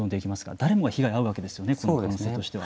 誰もが被害に遭うわけですよね可能性としては。